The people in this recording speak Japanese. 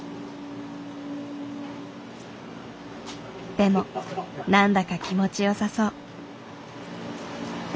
でも何だか気持ちよさそう。